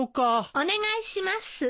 お願いします。